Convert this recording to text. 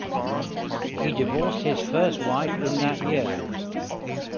He divorced his first wife in that year.